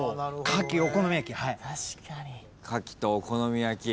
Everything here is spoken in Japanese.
カキとお好み焼き。